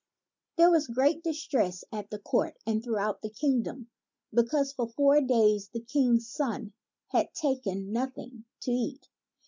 ¥ T HERE was great distress at the court and through out the kingdom because for four days the King's son had taken nothing to eat.